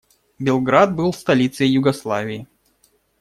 Белград был столицей Югославии.